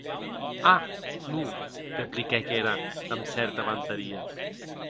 A!, non, repliquèc era damb cèrta vantaria.